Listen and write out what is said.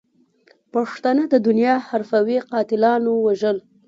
پښتانه د دنیا حرفوي قاتلاتو وژل.